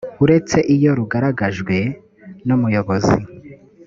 uretse iyo rugaragajwe n umuyobozi